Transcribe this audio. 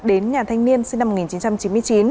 đến nhà thanh niên sinh năm một nghìn chín trăm chín mươi chín